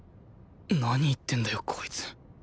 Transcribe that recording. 何言ってんだよこいつ